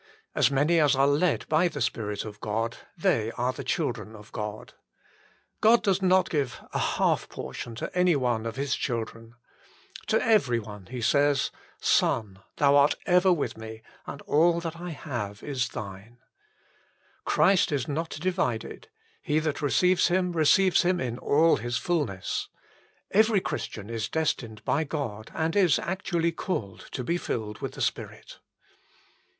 As many as are led by the Spirit of God, they are the children of God. 1 God does not give a half portion to any one of His children. To every one He says :" Son, thou art ever with Me, and all that I have is thine" 2 Christ is not divided ; he that receives Him 1 Rom. viii. 14. " Luke xv. 31. 152 HOW IT IS TO BE FOUND BY ALL 153 receives Him in all His fulness. Every Christian is destined by God, and is actually called, to be filled with the Spirit.